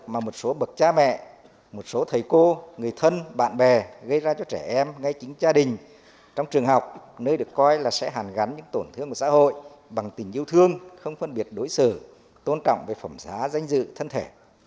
mà một số bậc cha mẹ một số thầy cô người thân bạn bè gây ra cho trẻ em ngay chính gia đình trong trường học nơi được coi là sẽ hàn gắn những tổn thương của xã hội bằng tình yêu thương không phân biệt đối xử tôn trọng về phẩm giá danh dự thân thể